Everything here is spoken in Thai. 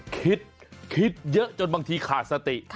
คิดคิดเยอะจนบางทีขาดสติ